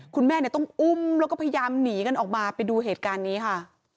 คุณแม่ต้องอุ้มแล้วก็พยายามหนีกันออกมาไปดูเหตุการณ์นี้ค่ะ